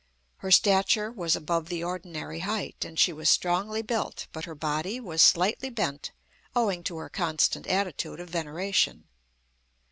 Her stature was above the ordinary height, and she was strongly built; but her body was slightly bent owing to her constant attitude of veneration.